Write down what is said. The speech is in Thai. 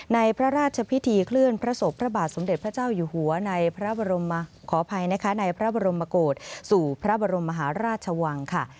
ในพระราชพิธีเคลื่อนพระศพพระบาทสมเด็จพระเจ้าอยู่หัวในพระบรมกฏสู่พระบรมมหาราชวังค่ะ